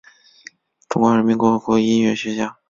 中华人民共和国音韵学家。